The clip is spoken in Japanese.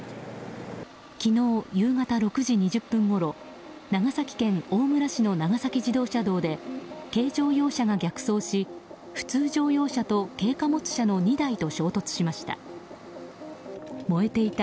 昨日夕方６時２０分ごろ長崎県大村市の長崎自動車道で軽乗用車が逆走し、普通乗用車と軽貨物車の２台と衝突しました。